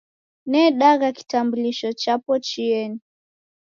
Nedagha kitambulisho chapo chienyi